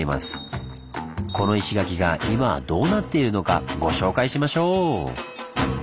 この石垣が今はどうなっているのかご紹介しましょう！